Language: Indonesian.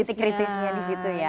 titik kritisnya di situ ya